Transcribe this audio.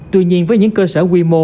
tuy nhiên với những cơ sở quy mô